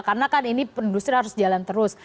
karena kan ini industri harus jalan terus